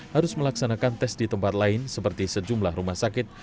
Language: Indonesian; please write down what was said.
harus melaksanakan tes di tempat lain seperti sejumlah rumah sakit